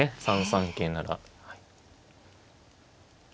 ３三桂なら。